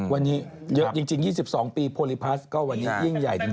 วันนี้เยอะจริง๒๒ปีโพลิพัสก็วันนี้ยิ่งใหญ่จริง